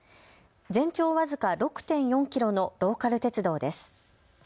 全長僅か６．４キロのローカル鉄道です。